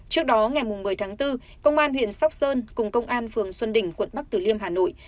trước đó ngày một mươi tháng bốn công an huyện sóc sơn cùng công an phường xuân đỉnh quận bắc tử liêm hà nội